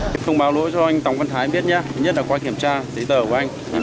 không báo lỗi cho anh tống văn thái biết nhé nhất là qua kiểm tra giấy tờ của anh